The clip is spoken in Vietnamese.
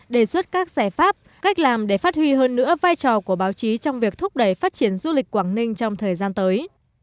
đề xuất các giải pháp cách làm để phát huy hơn nữa vai trò của báo chí trong việc thúc đẩy phát triển du lịch quảng ninh trong thời gian tới